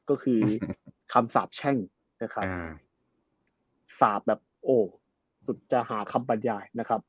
ก็คือคำสาบแช่งนะครับสาบแบบโอ้สุดจะหาคำบรรยายนะครับ